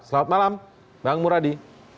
selamat malam bang muradi